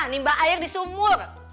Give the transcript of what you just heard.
nimbak air di sumur